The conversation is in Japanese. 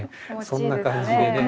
そんな感じでね。